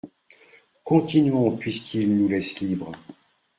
Continuons, puisqu’ils nous laissent libres.